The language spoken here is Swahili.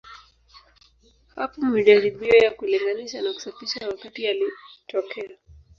Hapo majaribio ya kulinganisha na kusafisha wakati yalitokea.